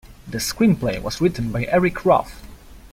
The screenplay was written by Eric Roth.